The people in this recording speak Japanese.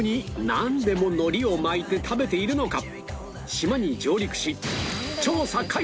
島に上陸し